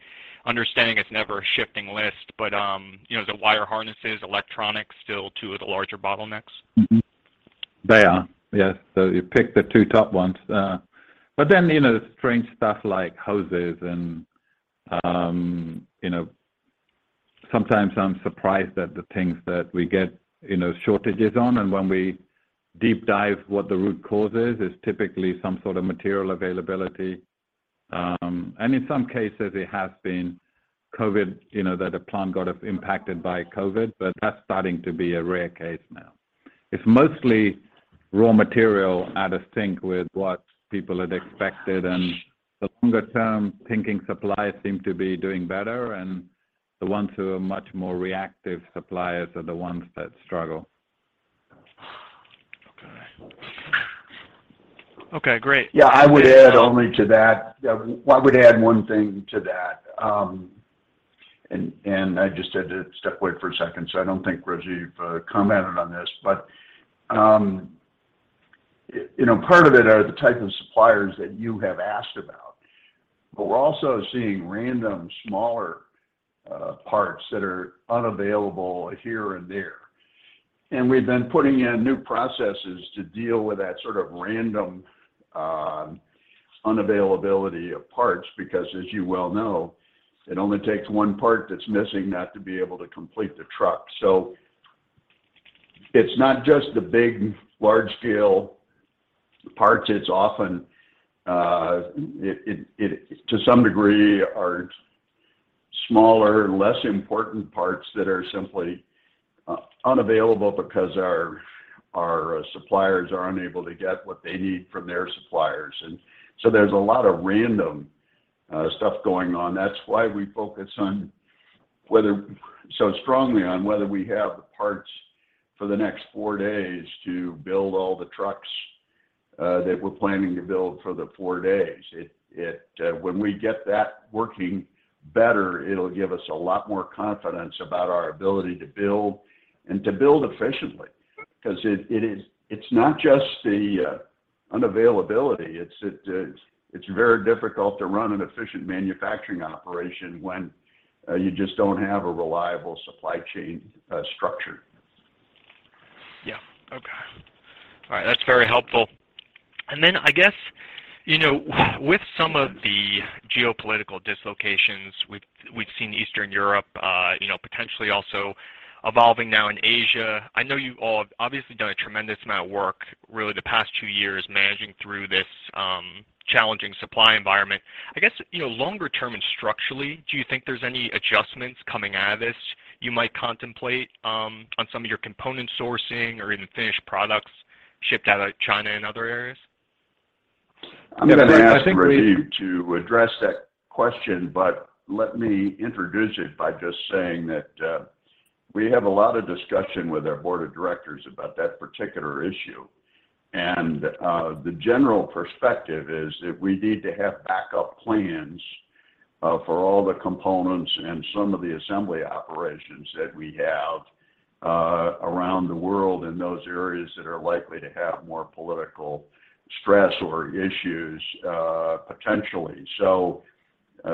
understanding it's never a shifting list, but, you know, is it wire harnesses, electronics still two of the larger bottlenecks? They are, yes. You picked the two top ones. But then, you know, strange stuff like hoses and, you know, sometimes I'm surprised at the things that we get, you know, shortages on. When we deep dive what the root cause is, it's typically some sort of material availability. In some cases it has been COVID, you know, that a plant got impacted by COVID, but that's starting to be a rare case now. It's mostly raw material out of sync with what people had expected. The longer term thinking suppliers seem to be doing better, and the ones who are much more reactive suppliers are the ones that struggle. Okay, great. Yeah, I would add only to that. I would add one thing to that. I just had to step away for a second, so I don't think Rajiv commented on this, but you know, part of it are the type of suppliers that you have asked about, but we're also seeing random smaller parts that are unavailable here and there, and we've been putting in new processes to deal with that sort of random unavailability of parts because as you well know, it only takes one part that's missing not to be able to complete the truck. It's not just the big large scale parts. It's often to some degree are smaller, less important parts that are simply unavailable because our suppliers are unable to get what they need from their suppliers. There's a lot of random stuff going on. That's why we focus so strongly on whether we have the parts for the next four days to build all the trucks that we're planning to build for the four days. It, when we get that working better, it'll give us a lot more confidence about our ability to build and to build efficiently. 'Cause it's not just the unavailability, it's very difficult to run an efficient manufacturing operation when you just don't have a reliable supply chain structure. Yeah. Okay. All right. That's very helpful. I guess, you know, with some of the geopolitical dislocations, we've seen Eastern Europe, you know, potentially also evolving now in Asia. I know you all have obviously done a tremendous amount of work really the past two years managing through this, challenging supply environment. I guess, you know, longer term and structurally, do you think there's any adjustments coming out of this you might contemplate, on some of your component sourcing or even finished products shipped out of China and other areas? I'm gonna ask Rajiv to address that question, but let me introduce it by just saying that, we have a lot of discussion with our board of directors about that particular issue. The general perspective is that we need to have backup plans, for all the components and some of the assembly operations that we have, around the world in those areas that are likely to have more political stress or issues, potentially.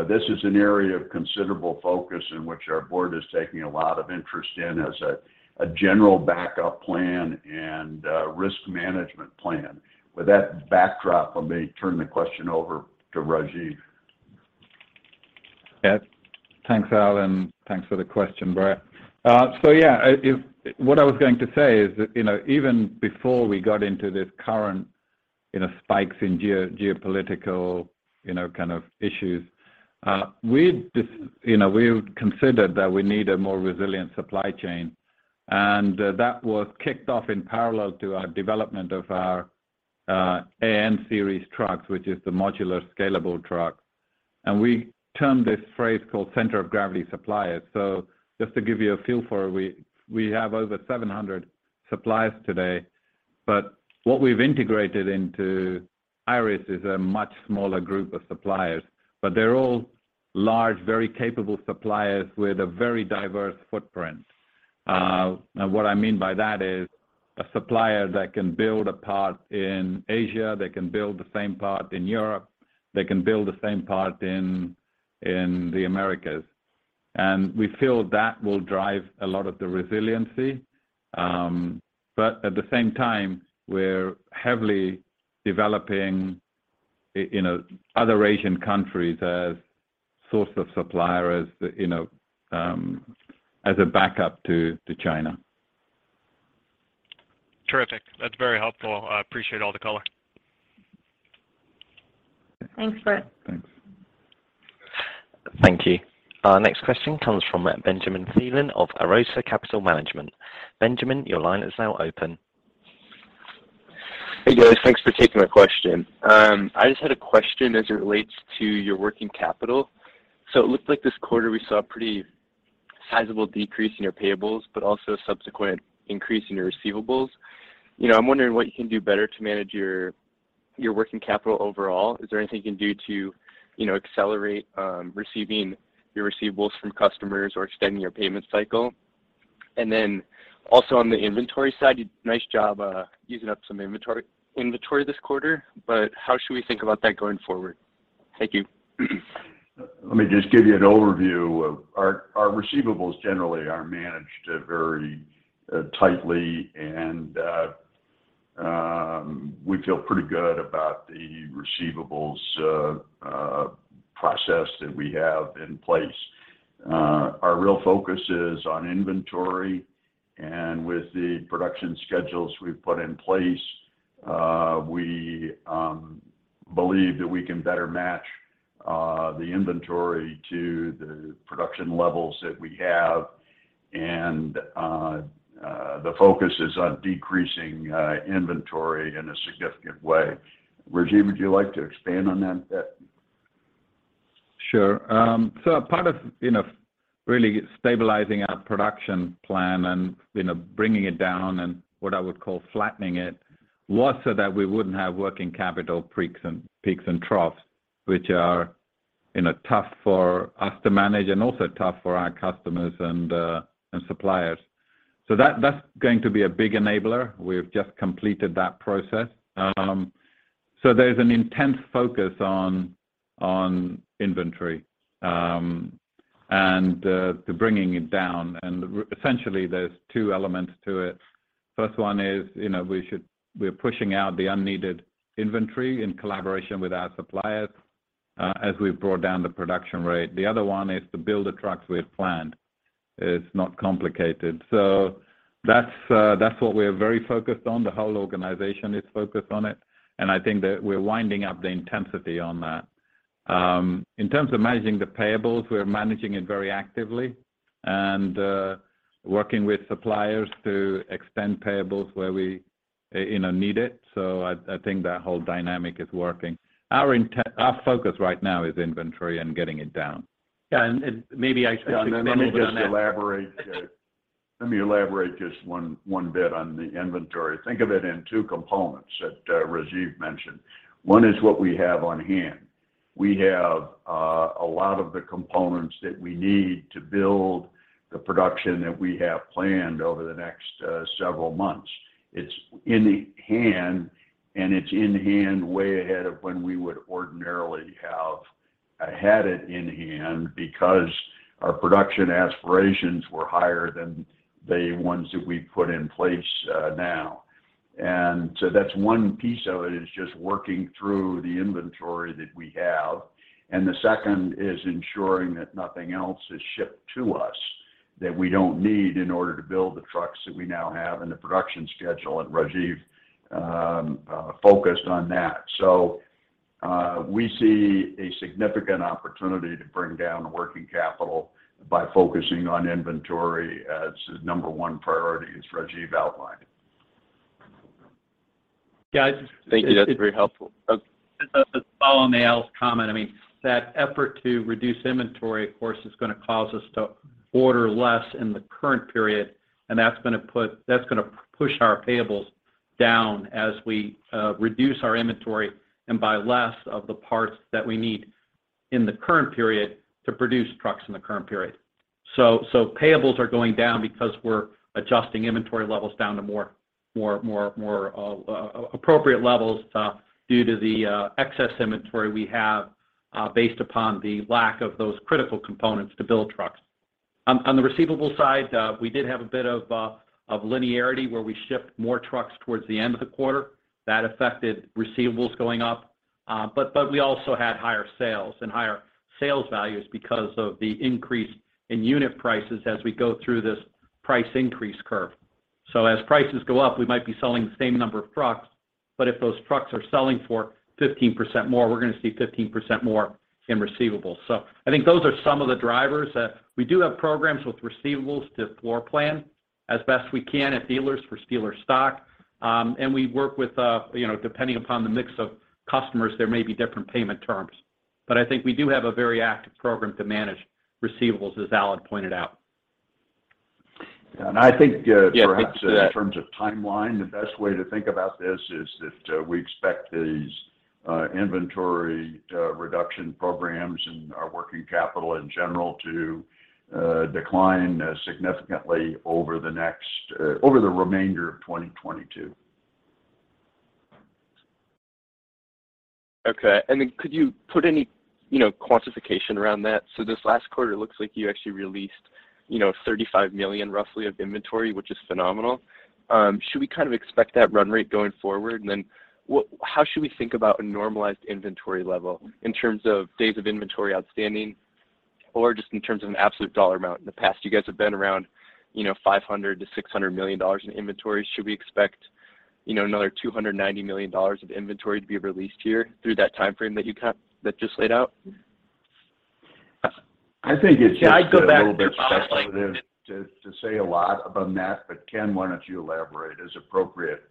This is an area of considerable focus in which our board is taking a lot of interest in as a general backup plan and, risk management plan. With that backdrop, let me turn the question over to Rajiv. Yeah. Thanks, Al, and thanks for the question, Brett. So yeah, what I was going to say is that, you know, even before we got into this current, you know, spikes in geopolitical, you know, kind of issues, we considered that we need a more resilient supply chain, and that was kicked off in parallel to our development of our A Series trucks, which is the modular scalable truck. We termed this phrase called center of gravity suppliers. So just to give you a feel for it, we have over 700 suppliers today, but what we've integrated into Iris is a much smaller group of suppliers. But they're all large, very capable suppliers with a very diverse footprint. What I mean by that is a supplier that can build a part in Asia, they can build the same part in Europe, they can build the same part in the Americas. We feel that will drive a lot of the resiliency. But at the same time, we're heavily developing in other Asian countries as a source of supply, you know, as a backup to China. Terrific. That's very helpful. I appreciate all the color. Thanks, Brett. Thanks. Thank you. Our next question comes from Benjamin Thelen of Arosa Capital Management. Benjamin, your line is now open. Hey, guys. Thanks for taking my question. I just had a question as it relates to your working capital. It looked like this quarter we saw a pretty sizable decrease in your payables, but also a subsequent increase in your receivables. You know, I'm wondering what you can do better to manage your working capital overall. Is there anything you can do to, you know, accelerate receiving your receivables from customers or extending your payment cycle? Then also on the inventory side, you did nice job using up some inventory this quarter, but how should we think about that going forward? Thank you. Let me just give you an overview of our receivables generally are managed very tightly, and we feel pretty good about the receivables process that we have in place. Our real focus is on inventory and with the production schedules we've put in place, we believe that we can better match the inventory to the production levels that we have and the focus is on decreasing inventory in a significant way. Rajiv, would you like to expand on that bit? Sure. Part of, you know, really stabilizing our production plan and, you know, bringing it down and what I would call flattening it was so that we wouldn't have working capital peaks and troughs, which are, you know, tough for us to manage and also tough for our customers and suppliers. That's going to be a big enabler. We've just completed that process. There's an intense focus on inventory and to bringing it down. Essentially, there's two elements to it. First one is, you know, we're pushing out the unneeded inventory in collaboration with our suppliers as we've brought down the production rate. The other one is to build the trucks we had planned. It's not complicated. That's what we're very focused on. The whole organization is focused on it. I think that we're winding up the intensity on that. In terms of managing the payables, we are managing it very actively and, working with suppliers to extend payables where we, you know, need it. I think that whole dynamic is working. Our focus right now is inventory and getting it down. Yeah. Maybe I should expand a little bit on that. Yeah. Let me elaborate just one bit on the inventory. Think of it in two components that Rajiv mentioned. One is what we have on hand. We have a lot of the components that we need to build the production that we have planned over the next several months. It's in hand, and it's in hand way ahead of when we would ordinarily have had it in hand because our production aspirations were higher than the ones that we put in place now. That's one piece of it is just working through the inventory that we have. The second is ensuring that nothing else is shipped to us that we don't need in order to build the trucks that we now have in the production schedule, and Rajiv focused on that. We see a significant opportunity to bring down working capital by focusing on inventory as the number one priority as Rajiv outlined. Yeah, I just. Thank you. That's very helpful. Okay. Just to follow on Al's comment, I mean, that effort to reduce inventory of course is gonna cause us to order less in the current period. That's gonna push our payables down as we reduce our inventory and buy less of the parts that we need in the current period to produce trucks in the current period. Payables are going down because we're adjusting inventory levels down to more appropriate levels due to the excess inventory we have based upon the lack of those critical components to build trucks. On the receivable side, we did have a bit of linearity where we shipped more trucks towards the end of the quarter. That affected receivables going up. We also had higher sales and higher sales values because of the increase in unit prices as we go through this price increase curve. As prices go up, we might be selling the same number of trucks, but if those trucks are selling for 15% more, we're gonna see 15% more in receivables. I think those are some of the drivers. We do have programs with receivables to floor plan as best we can at dealers for dealer stock. We work with, depending upon the mix of customers, there may be different payment terms. I think we do have a very active program to manage receivables, as Alan pointed out. I think Yes. Perhaps in terms of timeline, the best way to think about this is that we expect these inventory reduction programs and our working capital in general to decline significantly over the remainder of 2022. Okay. Could you put any, you know, quantification around that? This last quarter, it looks like you actually released, you know, roughly $35 million of inventory, which is phenomenal. Should we kind of expect that run rate going forward? How should we think about a normalized inventory level in terms of days of inventory outstanding or just in terms of an absolute dollar amount? In the past, you guys have been around, you know, $500 to 600 million in inventory. Should we expect, you know, another $290 million of inventory to be released here through that timeframe that you just laid out? I think it's just. Yeah. I'd go back to. A little bit speculative to say a lot about that, but Ken, why don't you elaborate as appropriate?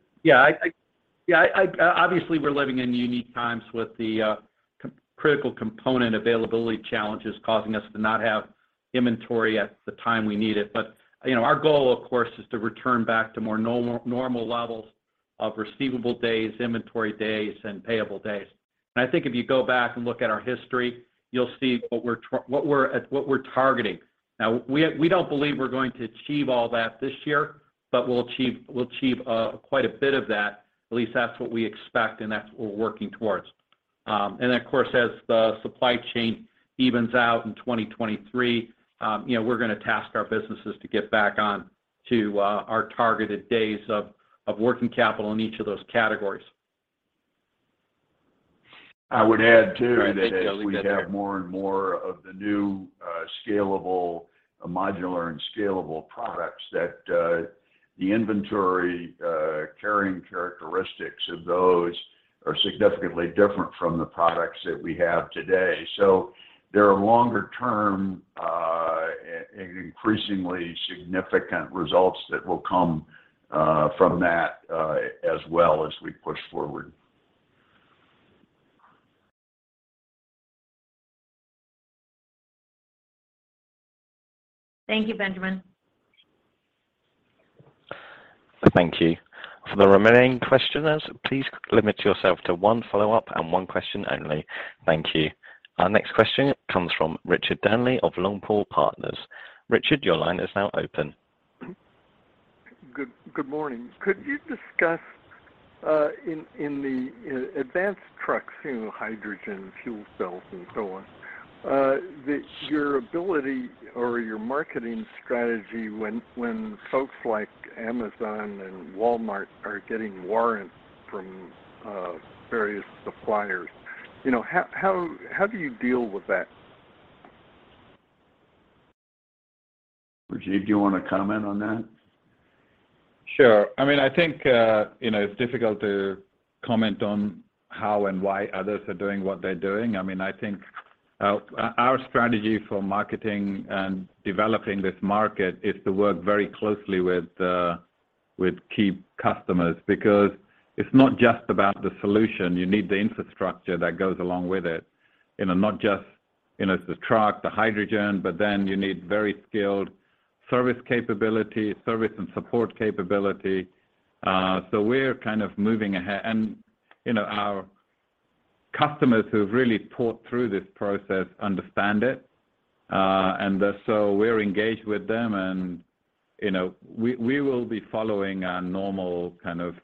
Obviously, we're living in unique times with the critical component availability challenges causing us to not have inventory at the time we need it. You know, our goal, of course, is to return back to more normal levels of receivable days, inventory days, and payable days. I think if you go back and look at our history, you'll see what we're targeting. Now, we don't believe we're going to achieve all that this year, but we'll achieve quite a bit of that, at least that's what we expect, and that's what we're working towards. Of course, as the supply chain evens out in 2023, you know, we're gonna task our businesses to get back on to our targeted days of working capital in each of those categories. I would add, too. [inaudible] that as we have more and more of the new, scalable, modular and scalable products, that the inventory carrying characteristics of those are significantly different from the products that we have today. There are longer term and increasingly significant results that will come from that as well as we push forward. Thank you, Benjamin. Thank you. For the remaining questioners, please limit yourself to one follow-up and one question only. Thank you. Our next question comes from Richard Dearnley of Longbow Partners. Richard, your line is now open. Good morning. Could you discuss in advanced trucks, you know, hydrogen, fuel cells and so on, your ability or your marketing strategy when folks like Amazon and Walmart are getting warrants from various suppliers? You know, how do you deal with that? Rajiv, do you wanna comment on that? Sure. I mean, I think, you know, it's difficult to comment on how and why others are doing what they're doing. I mean, I think our strategy for marketing and developing this market is to work very closely with key customers because it's not just about the solution. You need the infrastructure that goes along with it. You know, not just, you know, the truck, the hydrogen, but then you need very skilled service capability, service and support capability. We're kind of moving ahead. You know, our customers who've really thought through this process understand it. We're engaged with them and, you know, we will be following our normal kind of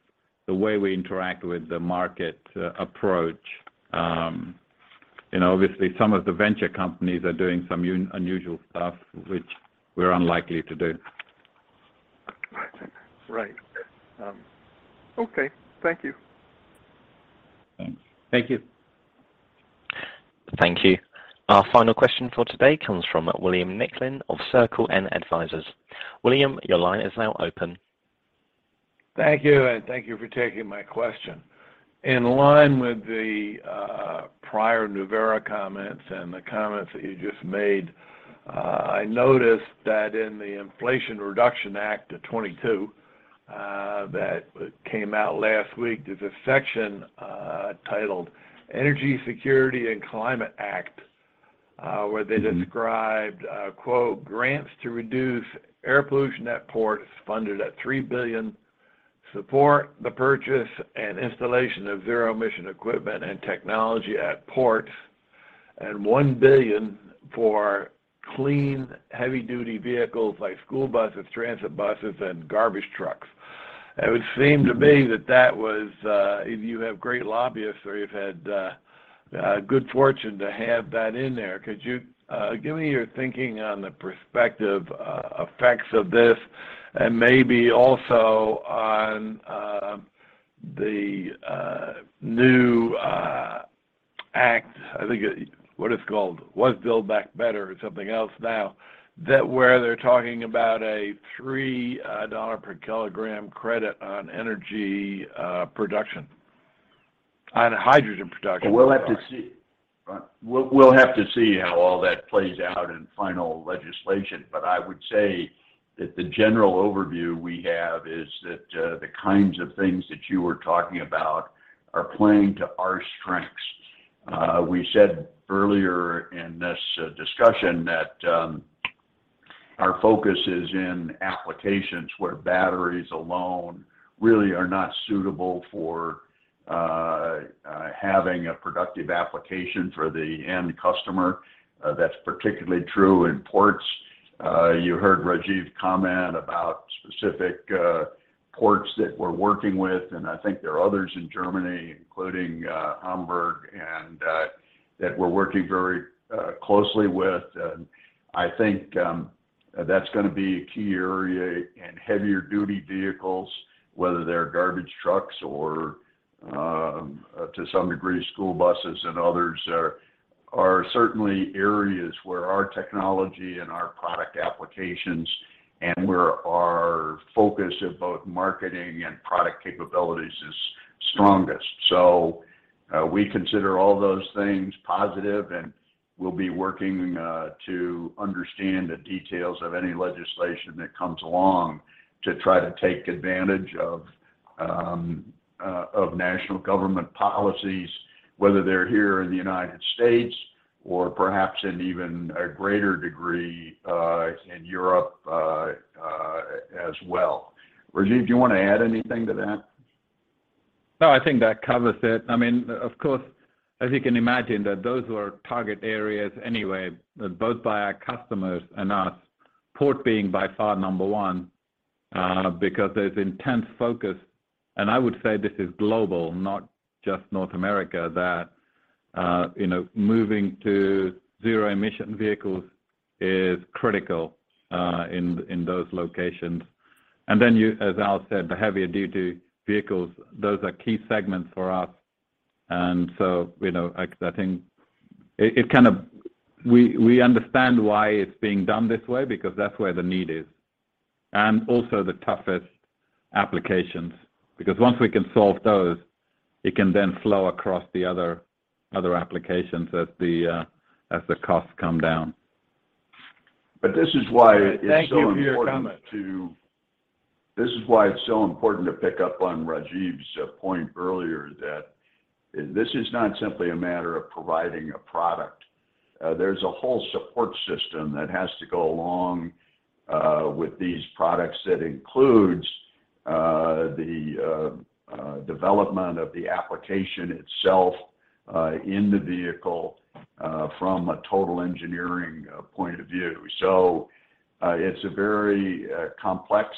the way we interact with the market approach. You know, obviously some of the venture companies are doing some unusual stuff which we're unlikely to do. Right. Okay. Thank you. Thanks. Thank you. Thank you. Our final question for today comes from William Nicklin of Circle N Advisors. William, your line is now open. Thank you, and thank you for taking my question. In line with the prior Nuvera comments and the comments that you just made, I noticed that in the Inflation Reduction Act of 2022, that came out last week, there's a section titled Inflation Reduction Act of 2022 where they described, quote, "Grants to reduce air pollution at ports funded at $3 billion, support the purchase and installation of zero-emission equipment and technology at ports, and $1 billion for clean heavy-duty vehicles like school buses, transit buses, and garbage trucks." It would seem to me that was either you have great lobbyists or you've had good fortune to have that in there. Could you give me your thinking on the prospective effects of this, and maybe also on the new act, I think it was Build Back Better or something else now, that where they're talking about a $3 per kilogram credit on energy production on hydrogen production. We'll have to see how all that plays out in final legislation, but I would say that the general overview we have is that the kinds of things that you were talking about are playing to our strengths. We said earlier in this discussion that our focus is in applications where batteries alone really are not suitable for having a productive application for the end customer. That's particularly true in ports. You heard Rajiv comment about specific ports that we're working with, and I think there are others in Germany, including Hamburg, and that we're working very closely with. I think that's gonna be a key area in heavier duty vehicles, whether they're garbage trucks or to some degree school buses and others are certainly areas where our technology and our product applications and where our focus of both marketing and product capabilities is strongest. We consider all those things positive, and we'll be working to understand the details of any legislation that comes along to try to take advantage of national government policies, whether they're here in the United States or perhaps in even a greater degree in Europe as well. Rajiv, do you wanna add anything to that? No, I think that covers it. I mean, of course, as you can imagine, that those were target areas anyway, both by our customers and us, port being by far number one, because there's intense focus, and I would say this is global, not just North America, that you know, moving to zero-emission vehicles is critical, in those locations. As Al said, the heavier duty vehicles, those are key segments for us. I think it kind of. We understand why it's being done this way because that's where the need is, and also the toughest applications. Because once we can solve those, it can then flow across the other applications as the costs come down. This is why it's so important. Thank you for your comment. This is why it's so important to pick up on Rajiv's point earlier that this is not simply a matter of providing a product. There's a whole support system that has to go along with these products that includes the development of the application itself in the vehicle from a total engineering point of view. It's a very complex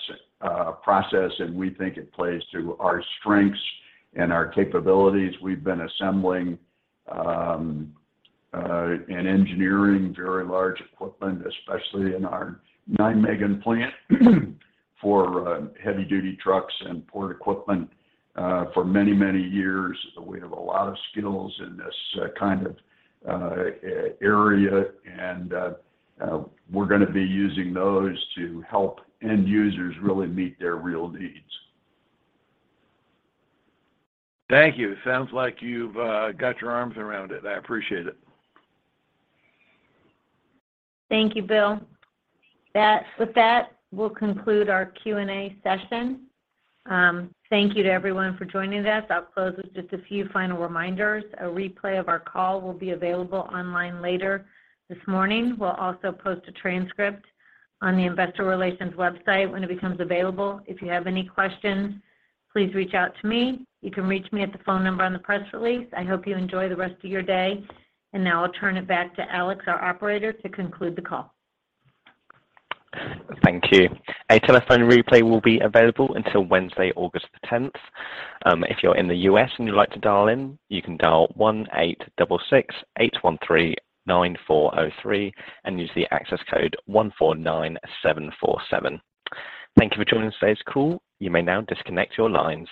process, and we think it plays to our strengths and our capabilities. We've been assembling and engineering very large equipment, especially in our Nijmegen plant for heavy-duty trucks and port equipment for many, many years. We have a lot of skills in this kind of area, and we're gonna be using those to help end users really meet their real needs. Thank you. Sounds like you've got your arms around it. I appreciate it. Thank you, Bill. With that, we'll conclude our Q&A session. Thank you to everyone for joining us. I'll close with just a few final reminders. A replay of our call will be available online later this morning. We'll also post a transcript on the investor relations website when it becomes available. If you have any questions, please reach out to me. You can reach me at the phone number on the press release. I hope you enjoy the rest of your day. Now I'll turn it back to Alex, our operator, to conclude the call. Thank you. A telephone replay will be available until Wednesday, August the tenth. If you're in the US and you'd like to dial in, you can dial 1-866-813-9403 and use the access code 149747. Thank you for joining today's call. You may now disconnect your lines.